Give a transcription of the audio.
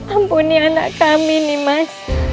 ampuni anak kami nih mas